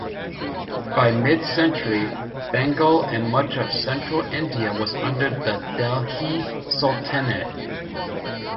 By mid-century, Bengal and much of central India was under the Delhi Sultanate.